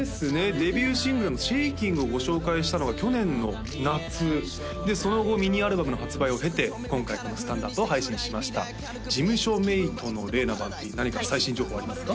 デビューシングルの「Ｓｈａｋｉｎｇ」をご紹介したのが去年の夏でその後ミニアルバムの発売を経て今回のこの「ＳＴＡＮＤＵＰ」を配信しました事務所メイトのれいな番Ｐ何か最新情報ありますか？